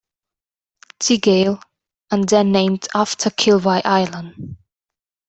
T. Gale, and then named after Kilby Island.